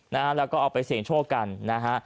นะฮะและก็เอาไปเศรษฐกันนะฮะ